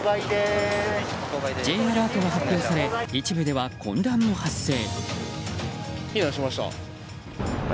Ｊアラートが発表され一部では混乱も発生。